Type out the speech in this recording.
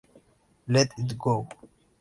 Let It Go!